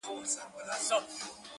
گوره اوښكي به در تـــوى كـــــــــړم~